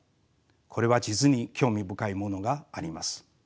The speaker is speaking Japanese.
これは実に興味深いものがあります。